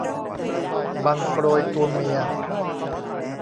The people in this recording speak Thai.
บังโกรยตัวเมีย